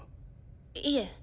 いえ。